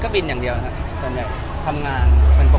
ก็บินอย่างเดียวนะครับส่วนใหญ่ทำงานเป็นปกติ